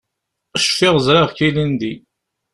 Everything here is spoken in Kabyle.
Cfiɣ ẓriɣ-k ilindi.